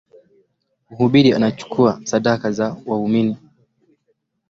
Mhubiri anachukua sadaka za waumini